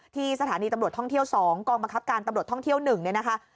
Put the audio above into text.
ที่สถานีตำรวจท่องเที่ยว๒กองบังคับการตำรวจท่องเที่ยว๑เนี่ยนะคะ